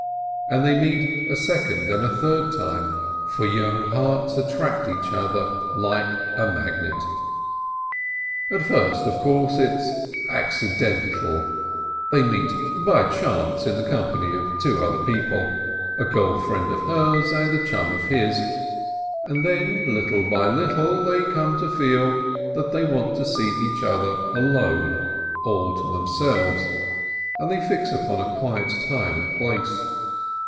And they meet a second and a third time, for young hearts attract each other like a magnet. At first, of course, it is accidental, they meet by chance in the company of two other people, a girl friend of hers and a chum of his, and then, little by little, they come to feel that they want to see each other alone, all to them selves, and they fix upon a quiet time and place.